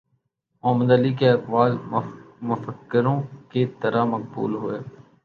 محمد Ali کے اقوال مفکروں کی طرح مقبول ہوئے